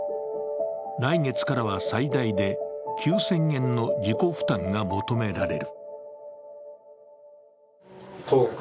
来月からは最大で９０００円の自己負担が求められる。